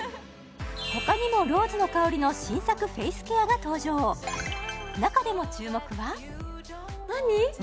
他にもローズの香りの新作フェイスケアが登場中でも注目は何？